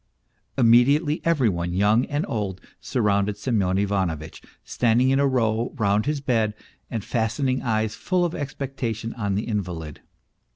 Immediately every one, old and young, surrounded Semyon Ivanovitch, standing in a row round his bed and fastening eyes full of expectation on the invalid.